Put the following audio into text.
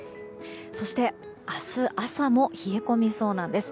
そして、明日朝も冷え込みそうなんです。